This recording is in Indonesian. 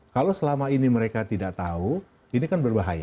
kalau selama ini mereka tidak tahu ini kan berbahaya